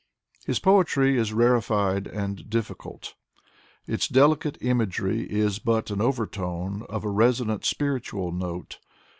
His poetry is rarefied and difficult Its delicate imagery is but an overtone of a resonant spiritual note.